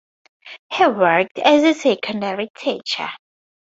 He worked as a secondary teacher.